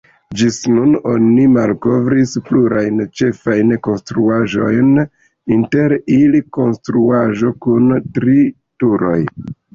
Ĝis nun oni malkovris plurajn ĉefajn konstruaĵojn, inter ili konstruaĵo kun tri turoj.